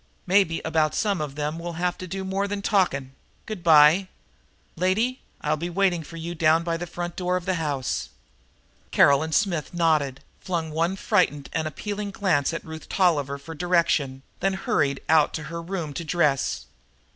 Maybe about some of them we'll have to do more than talking. Good by. Lady, I'll be waiting for you down by the front door of the house." Caroline Smith nodded, flung one frightened and appealing glance to Ruth Tolliver for direction, then hurried out to her room to dress.